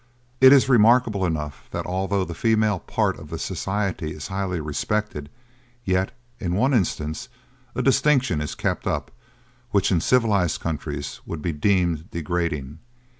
It is remarkable enough, that although the female part of the society is highly respected, yet, in one instance, a distinction is kept up, which in civilized countries would be deemed degrading.